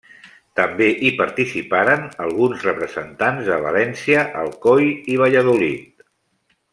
També hi participaren alguns representants de València, Alcoi i Valladolid.